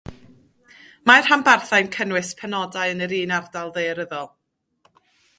Mae rhanbarthau'n cynnwys penodau yn yr un ardal ddaearyddol.